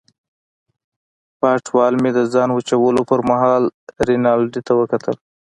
په اټوال مې د ځان وچولو پرمهال رینالډي ته وکتل.